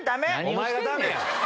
おまえがダメや！